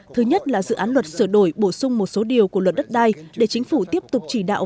thứ nhất là dự án luật sửa đổi bổ sung một số điều của luật đất đai để chính phủ tiếp tục chỉ đạo